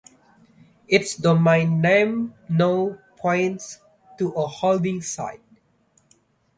Its domain name now points to a holding site.